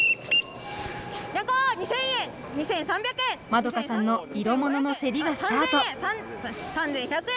まどかさんの色ものの競りがスタート。